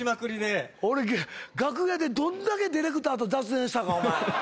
俺楽屋でどんだけディレクターと雑談したか。